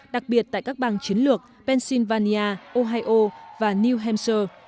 đặc biệt tại các bang chiến lược pennsylvania ohio và new hampshire